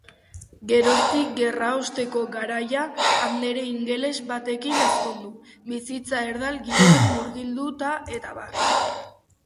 Geroztik gerraosteko garaia andere ingeles batekin ezkondu, bizitza erdal giroan murgilduta etab.